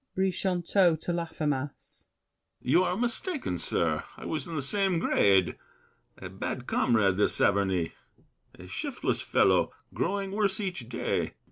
BRICHANTEAU (to Laffemas). You are mistaken, sir. I was in the Same grade. A bad comrade, this Saverny— A shiftless fellow, growing worse each day.